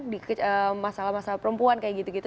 di masalah masalah perempuan kayak gitu gitu